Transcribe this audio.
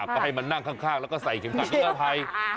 ก็ให้มันนั่งข้างแล้วก็ใส่เฉียบกันที่ก้าไพ